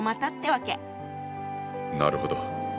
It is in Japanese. なるほど。